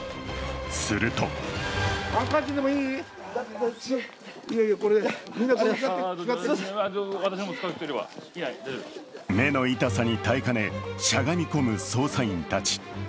すると目の痛さに耐えかね、しゃがみ込む捜査員たち。